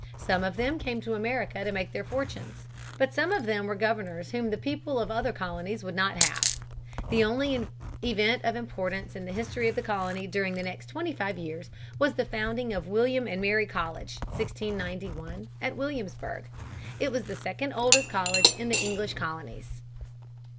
Some of them came to America to make their fortunes. But some of them were governors whom the people of other colonies would not have. The only event of importance in the history of the colony during the next twenty five years was the founding of William and Mary College (1691) at Williamsburg. It was the second oldest college in the English colonies.